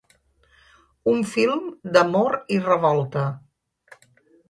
Un film d’amor i revolta.